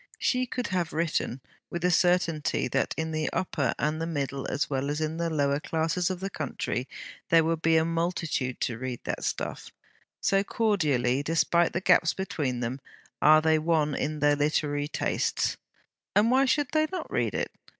She could have written, with the certainty that in the upper and the middle as well as in the lower classes of the country, there would be a multitude to read that stuff, so cordially, despite the gaps between them, are they one in their literary tastes. And why should they not read it?